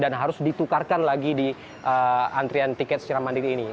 dan juga harus ditukarkan lagi di antrian tiket secara mandiri ini